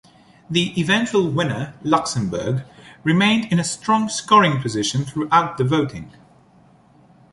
The eventual winner, Luxembourg, remained in a strong scoring position throughout the voting.